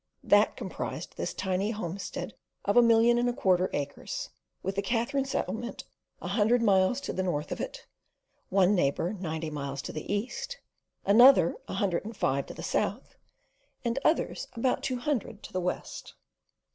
That comprised this tiny homestead of a million and a quarter acres, with the Katherine Settlement a hundred miles to the north of it, one neighbour ninety miles to the east, another, a hundred and five to the south, and others about two hundred to the west.